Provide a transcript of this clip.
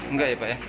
enggak ya pak ya